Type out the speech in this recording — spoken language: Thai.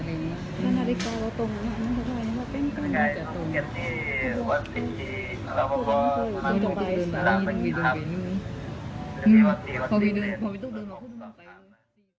และนาฬิกาเราตรงนั้นถ้าไหวคือเต้นก็นี่จะตรง